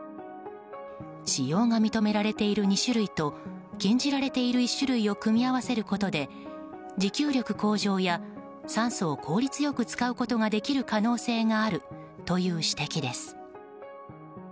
使用が認められている２種類と禁じられている１種類を組み合わせることで持久力向上や酸素を効率よく使うことができる可能性があるという指摘です。